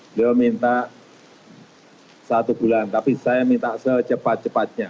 beliau minta satu bulan tapi saya minta secepat cepatnya